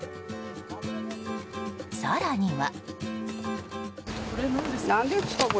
更には。